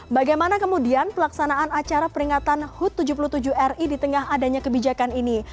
bagaimana kemudian pelaksanaan acara peringatan hud tujuh puluh tujuh ri di tengah adanya kebijakan ini